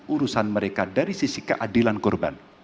urusan mereka dari sisi keadilan korban